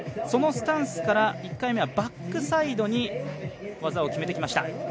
そのスタンスから１回目はバックサイドに技を決めてきました。